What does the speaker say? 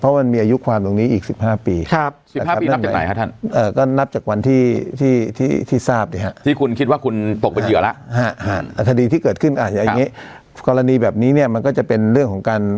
เพราะมันมีอายุความตรงนี้อีกสิบห้าปีครับสิบห้าปีนับจากไหนฮะท่าน